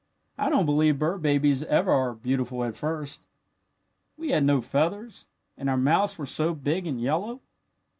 I don't believe bird babies ever are beautiful at first. We had no feathers, and our mouths were so big and yellow.